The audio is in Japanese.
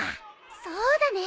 そうだね。